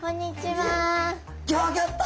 ギョギョッと！